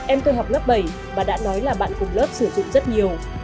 em tôi học lớp bảy và đã nói là bạn cùng lớp sử dụng rất nhiều